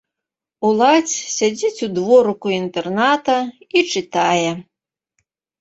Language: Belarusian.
Уладзь сядзіць у дворыку інтэрната і чытае.